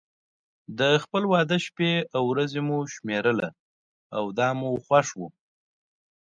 د خپل واده شپې او ورځې مو شمېرله او دا مو خوښ و.